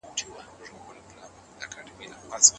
ژبه ريښې ساتي.